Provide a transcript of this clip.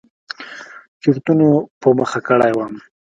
چورتونو په مخه کړى وم.